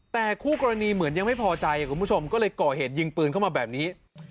แต่คู่กรณีเหมือนยังไม่พอใจคุณผู้ชมก็เลยก่อเหตุยิงปืนเข้ามาแบบนี้